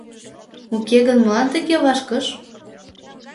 Уке гын молан тыге вашкыш?